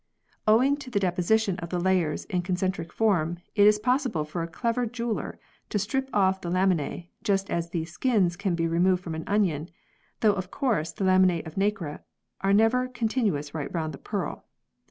Owing to the deposition of the layers in con centric form, it is possible for a clever jeweller to strip off the laminae, just as the "skins" can be removed from an onion, though of course the laminae of nacre are never continuous right round a pearl.